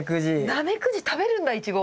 ナメクジ食べるんだイチゴ。